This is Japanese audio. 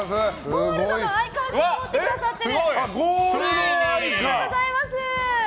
ゴールドの持ってくださってる！